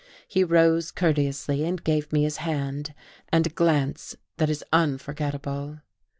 He rose courteously and gave me his hand, and a glance that is unforgettable.